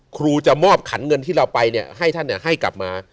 ครูจะมอบขันเงินที่เราไปเนี่ยให้ท่านให้กลับมา